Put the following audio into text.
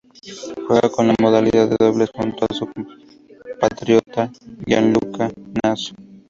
Juega en la modalidad de dobles junto a su compatriota Gianluca Naso.